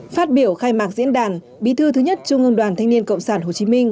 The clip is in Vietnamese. phát biểu khai mạc diễn đàn bí thư thứ nhất trung ương đoàn thanh niên cộng sản hồ chí minh